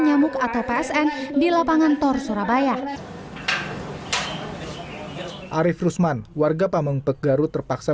nyamuk atau psn di lapangan tor surabaya arief rusman warga pameng pegaru terpaksa